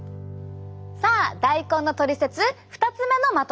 さあ大根のトリセツ２つ目のまとめです。